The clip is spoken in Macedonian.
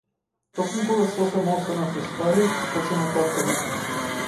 Токму кога сосема останав без пари, почина татко ми.